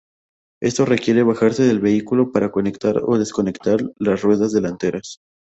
Esto requiere bajarse del vehículo para conectar o desconectar las ruedas delanteras.